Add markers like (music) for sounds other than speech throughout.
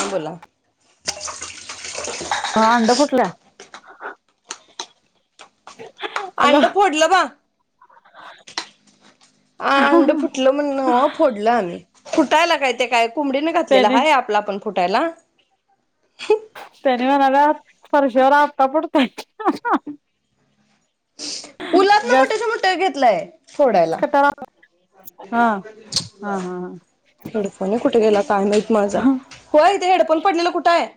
हा बोला हा अंड फुटल (inaudible) अंड फोडलं ब (inaudible) अंड फुटलं म्हण न फोडलं आम्ही खायला ते काय कंबडीने घातलेलं त्याने आहे आपला आपण फुठायला त्यानी म्हणाल्या फरशीवर आत्ता पडतय उलातन मोठ च्या मोठ घेतलय घेतलय फोडायला कट्याला हा हा हा हेडफोन एक कुठे गेला काय माहित माझा हा. होय इथे हेडफोन पडलेला कुठे आहे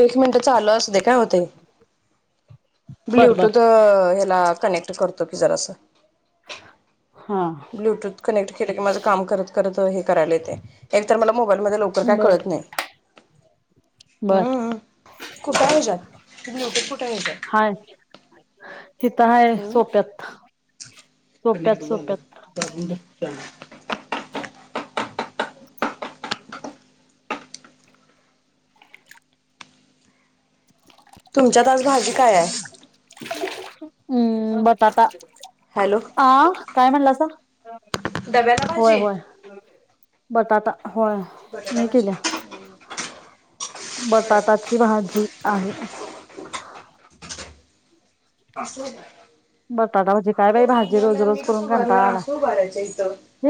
एक मिनिट चालू असते काय होतंय बर बर ब्ल्यूटूथ कनेक्ट करतो की जरासं (unintelligible) ब्लूटूथ कनेक्ट केलं की माझं काम करत करत हे करायला येतंय मोबाईल मधी लवकर काय कळत नाही. बर. कुठ आहे ह्याच्यात ब्लूटूथ कु हाय. (inaudible) हीथ हाय हम्म सोप्यात (inaudible) कनेक्ट सोप्यात, सोप्यात. दाबून धर झालं. (inaudible) (inaudible) तुमच्यात आजून हम्म, बटाटा हॅलो आ काय म्हणलासा. डब्याला होय भाजी होय. बटाटा होय मी केलिया. बटाटाची भाजी आहे. बटाटा भाजी काय बाई भाजी रोज रोज करून कंटाळा आलाय.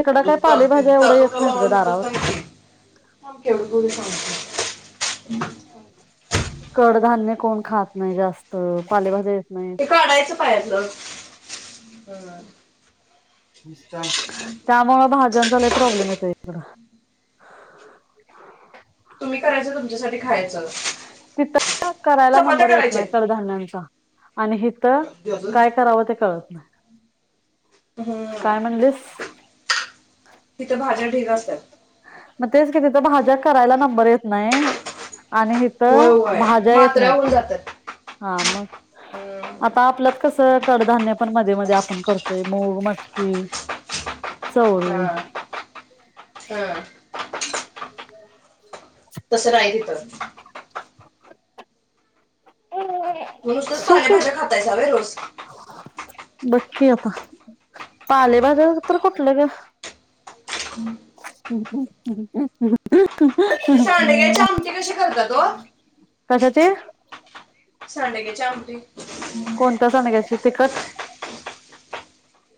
इकडं काय पालेभाज्या एवढ्या येत नाहीत ग दारावर (inaudible) कडधान्य कोण खात नाही जास्त पालेभाज्या ते नाहीत काढायचं पायातल. कर. त्यामुंळ भाज्यांचा लई प्रॉब्लेम येतोय इकडं. (inaudible) तुम्ही करायचं तुमच्यासाठी खायाच. तिथ (unintelligible) करायला चपात्या नंबर येत करायच्या नाही आहेत. कडधान्यांचा. आणि हे इथं काय करावं ते कळत नाही. हम्म काय म्हणलीस? तिथं भाज्या ढीग असत्यात. मग तेच कि तिथ भाज्या करायला नंबर येत नाहीय आणि हित होय होय भाज्या येत मात्र्या नाहीत. होऊन जातात. (inaudible) हा, मग हम्म आता आपलं कडधान्य पण मध्ये-मध्ये आपण करतोय मूग, मटकी, चवळी. हअ. (inaudible) तसं राईल ईथं. म नुसतच पालेभाज्या खातायसा व्हयं रोज? बग कीं आता, पालेभाज्या तर कुठलं गं? ती सांडग्याची आमटी कशी करतात ओ? कशाची? सांडग्याची आमटी? कोणत्या सांडग्याची? तिखट.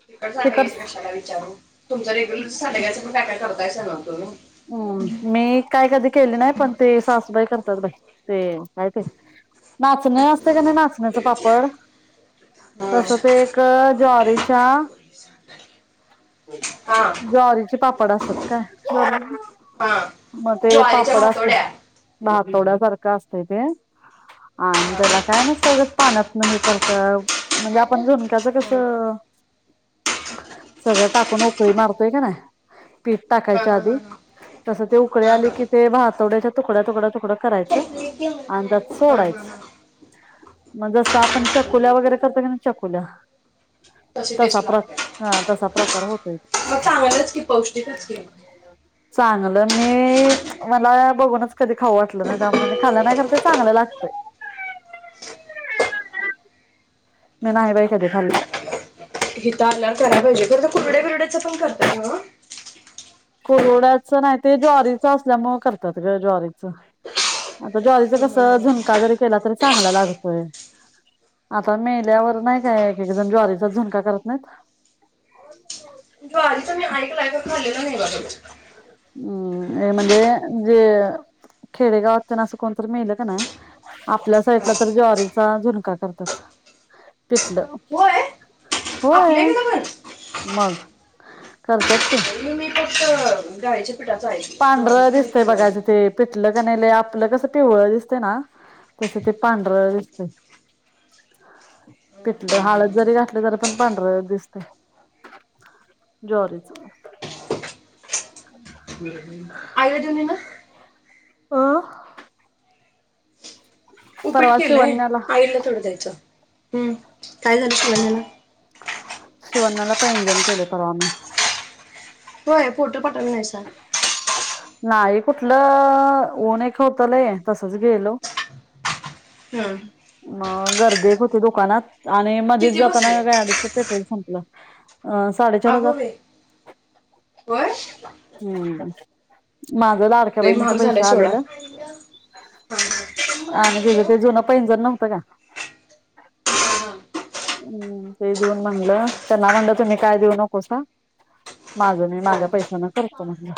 तिखट सांडग्याचीं कशाला विचारू? तुमचं रेग्युलर सांडग्याच पण काय काय करत काय सांगणार हुतो मीं? ओम, मी काय कधी केले नाही, पण ते सासूबाई करतात बाई. ते काय ते नाचणे असत्या क नाही, नाचण्याचं पापड तस ते एक ज्वारीच्या, हा ज्वारीचे पापड असतात काय. हा मग ते ज्वारीच्या पापड असो भातोड्या भातोड्या सारखं असतय ते, आणि त्याला काय नुसतं उगच पाण्यातन हे करत म्हणजे आलं आपण झुणक्याचं कस हं. सगळं टाकून उकळी मारतोय क नाय, पीठ हं, टाकायच्या हं, आधी हं, हं. तसं ते उकळी हं, आली हं. कि ते भातवड्याच्या तुकड्या, तुकड्या, तुकड्या करायचं चॉकलेट दे मला आणि त्यात खायला हं, हं, सोडायचं हं. मग जसं आपण चकुल्या वगैरे करतो की चकुल्या तशी तसा टेस्ट प्र लागते हा तसा प्र तर होतय. मग चांगलंच की पौष्टिकच की चांगलं मी मला बघूनच कधी खाऊ वाटलं नाही. त्यामुळे मी खालं नाही कारण ते चांगलं लागतय. मी नाही बाई कधी खाल्लं. हे तर आपल्याला करायला पाहिजे. खर तर कुरड्या बिरड्याच पण करतात नव्ह. कोरड्याचं नाही ते ज्वारीच असल्यामुळे करतात ग ज्वारीच आता ज्वारीच कस झुणका जरी केला तरी चांगला लागतोय आता हं, मेल्यावर हं, नाही हं. काय एकक जण ज्वारीचाच झुणका करत नाहीत. ज्वारीचं मी (unintelligible) हम् हे म्हणजे जे खेडेगावात त्यांना असं कोणतरी मेल का नाही आपल्या साइडला तर ज्वारीचा झुणका करतात. पिटलं होय आपल्या होय इकडे पण मग करत्यात कि. गायच्या पांढरं दिसतय बघायचं ते पिटलं. आपलं कस पिवळ दिसते ना तस ते पांढर दिसते. तिथल हळद जरी घाललं तरी पण पांढर दिसत ज्वारीच. आयोजनी ना अह उपीट केलंय शिवण्याला आईला थोडं द्यायचं. हम्म काय झाल (unintelligible) शिवान्याला पंजण केले परवा मी. हो फोटो पाठल नाहीसा. नाही कुठलं ऊन एक होतलय तसच गेलो. हम्म म गर्दी होती दुकानात. आणि मध्येच किती जाताना बसले गाडीचं पेट्रोल संपल. (unintelligible) अ साडे चार अगो हजार बे होय हम्म माझ लाडक्या लय बहिनच महाग पैश झालाय सोडा आलेल हा, हा. हा, आणि तिचं ते जुन पैज नवत का हम् ते देऊन म्हणलं त्यांना म्हणलं तुम्ही काय देऊ नको स ह माझं मी माझ्या पैशाना करतो म्हणलं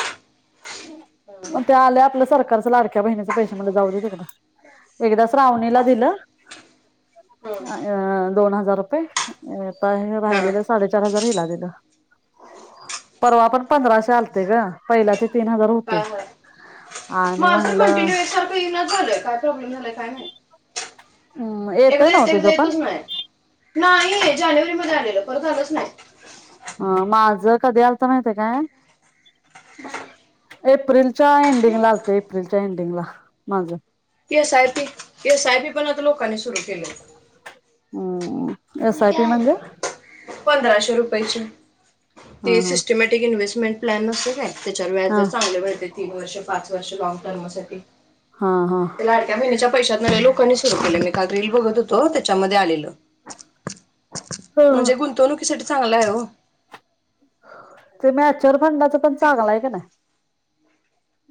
मग ते आल्या आपलं सरकारच लाडक्या बहिणीचा पैशे म्हणलं जाऊदे तिकड एकदा श्रावणीला दिलं हा. दोन हजार आता हे हा, हा. रायलेले साडेचार हजार हिला दिलं. परवा पण पंधराशे आलते ग पहीलाचे तीन हजार होते. हा, हा. आणि म्हणलं कंटिन्यू एकसारखं येईना झालंय. काय प्रॉब्लेम झालाय काय माहीत. हम्म येतय नव्ह एकदा तुझं येतू पण सनाय नाय जाणेवरी मध्ये जाडे परत आलाच नाही. ह माझ कधी आलत माहितेय आहे काय एप्रिलच्या नाही एंडिंगला आलत. एप्रिलच्या एंडिंगला माझ S I P S I P पण आता लोकांनी सुरू केलय. हम्म एस आय पी म्हणजे पंधराशे रुपयाची हा ते सिस्टिमॅटिक इ्नवेस मेन प्लॅन मस्तच आहे. त्याच्यावर हा व्याजच आल व्हय ते तीन वर्ष पाच जसे लॉग टर्म साठी. हा हा हा लाडक्या महिन्याच्या पैशातन या लोकांनी सुरू केल. मी काल रील बघत तो त्याच्यामध्ये आलेल- ह म्हणजे गुंतवणुकीसाठी? कठ चांगला आहे हो (unintelligible) ते म अचर (unintelligible) फंदाचा, पण हो चांगलाय की नाय?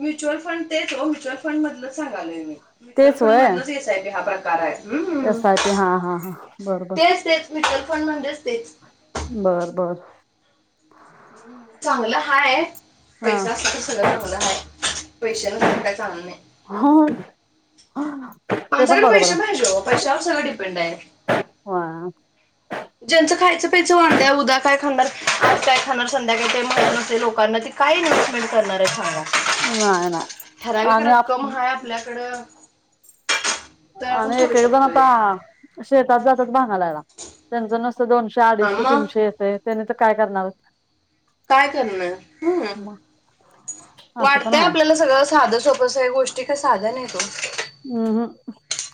म्युच्युअल फंड तेचो म्युच्युअल फंड मधलच सांगालय मी (unintelligible) म्युच्युअल तेच फंड वय मधलाच एसआयपी हा प्रकार आहे. हू.. एस आय पी हा हा हा बर बर तेच, तेच म्युच्युअल फंड म्हणजे तेच. बर बर (unintelligible) चांगलं हाय हा पैसा असला तर सगळं चांगलं हाय पैश नसलं काय चांगलं नाही हो ते पण माणसाकडे बरोबर पैसे आहे पाहिजे पैशावर सगळं (unintelligible) पिढ आहे (inaudible) होय ज्यांच खायचं- प्यायचं वांद्य हे. उद्या काय खाणार? आज काय खणार संध्याकाळी माहित नसते लोकांना ती काही न (inaudible) ण करणार्या शाळा (inaudible) नाय ना आ हाय (unintelligible) आपल्याकडं तर आपण आणि करू एक, एक जण शकतोय आता शेतात जातात भांगालायला. त्यांच नस- फक्त दोनशे, हा अडीचशे, मग तिनशे येतंय त्यानी त- काय करणार (unintelligible) काय करणार? हम. मग असं पण वाटतंय आहे आपल्याला, सगळं साधं सोप दुसर्या गोष्टी काही साध्या नाहीत हो. हम् हम्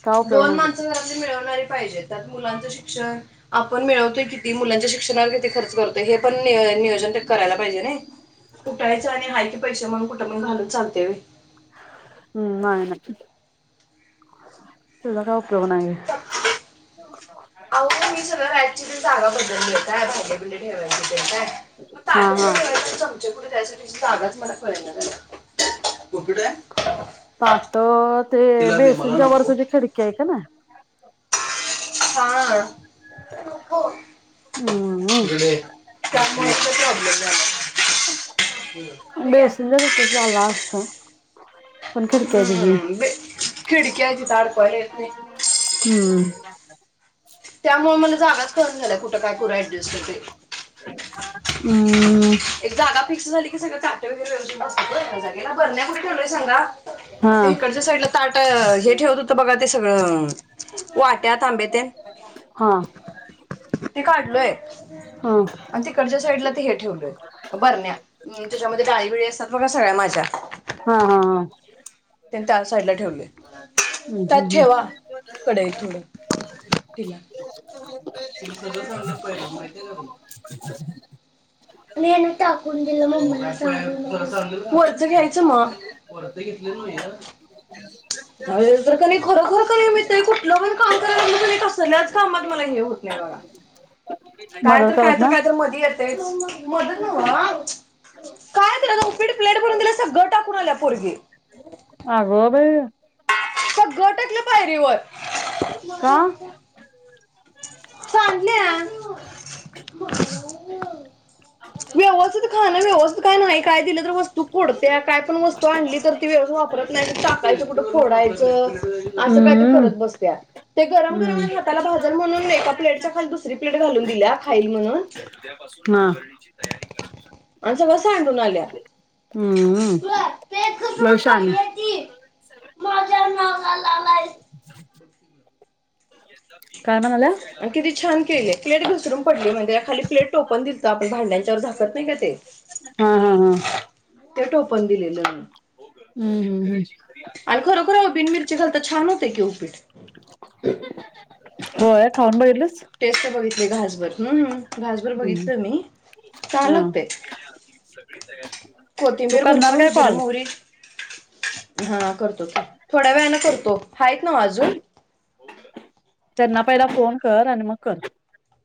काय उपयोग दोन नाही त्याचा. माणसं घरातली मिळवणारी पाहिजेत. मुलांच शिक्षण आपण मिळवतोय किती मुलांच्या शिक्षणावर किती खर्च करतोय हे पण नियोजन करायला पाहिजे. कुठच आणि आहे (inaudible) पैशै म्हणून कुठं पण घालून चालते व्हय. हम्म नाही नाही तला का (unintelligible) अह का मी सगळं रायची जागा बदल (inaudible) काय (inaudible) म आ (inaudible) हा हा त्या त्यासाठी चांगाच मला कळ (inaudible) तट ते तिला दे मला बेसनच्या वर नको तुझी खिडकी आहे का ना. (unintelligible) हा (inaudible) हम्- जडे ले (unintelligible) बे सुंदरत ल लागत. हम्म ब खिड क जी तडकलेने हम्म. त्यामुळे मला जागाच कम झाल्या कुठं काय करू ऍडजस्ट ते हम्म. जागा फिक्स झाली की सगळ कााट वगैरेत एका जागेला बरण्या पणेवलय सांगा. हा ते इकडच्या साईडला त हे ठेवत. तर बघा ते सगळं वाट्याथांब ते हा हा ते काढलोय. हा आणि तिकडच्या साईडला ते हे ठेवलय. बरण्या त्याच्यामध्ये डाळीबळी असतात बघा सगळ्या माझ्या हा हा त्यांनी त्या साईड ला ठेवले. हम्म तथेवा कढ थोडं तिला टाकून दिलं मला वर्ज घ्यायच मग वेत खरोर क कुठलं पण काम कराय कस कामात मला घे लाई बगा काय मदत तर करत काय तर ना काय तर मध ये मत काय तर आता पीडी प्लेट म्हणून दिले सगळं टाकून आल्या पोरगी हा गो भाई घटतले पायरीवर का चांगल्या व्यवस्थित खाणं व्यवस्ित काय नाही काय दिलं तर वस्तू फोडत्या काय पण वस्तू आणली तर ती व्यवस् वापरत नाही टाकायच कुठं फोडायचं असं काय हम्म करत बसत्या ते गरम हम्म गरम हाताला भाजण म्हणून एका प्लेटच्या खाली दुसरी प्लेट घालून दिल्या खाईल म्हणून ना मा कस आणून आल्या हम्म लवशान मजा न झालालाय ह किती छान केले क्ुसर ड म्हण खाली प्लेटोपण दित आपण भांड्यांच्यावर झाकत नाही का ते हा हा हा ते ठोपण दिलेलं हम् हम हम् आणि खरोखर बिन मिरची घाल तर छान हो तेऊीट (inaudible) होय खाऊन बघितलं टेस्ट बघित वेघासभर हम् घासभर बघितलं मी छान हा लागते तू कोथिंबीर करणार भरपूर काय जिर कॉल मोहरी हा करतो का थोड्या वेळने करतो आहेत ना अजून त्यांना पहिला फोन कर आणि मग कर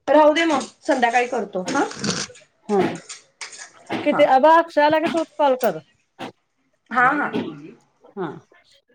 राहू दे मग संध्याकाळी करतो हा हा किती अबा तूच कॉल कर हा ह बोलली अ